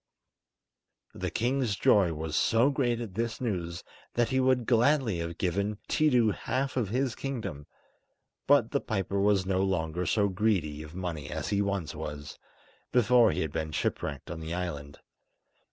The king's joy was so great at this news that he would gladly have given Tiidu half of his kingdom; but the piper was no longer so greedy of money as he once was, before he had been shipwrecked on the island.